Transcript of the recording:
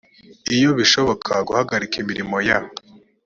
iyo bishoboka guhagarika imirimo ya